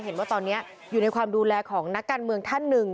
เห็นว่าตอนนี้อยู่ในความดูแลของนักการเมืองท่านหนึ่ง